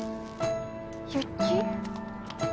雪？